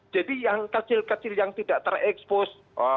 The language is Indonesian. jadi yang kecil kecil yang tidak terekspos